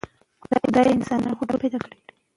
چاپیریال ته د ککړتیا زیاتوالی خطرناک دی.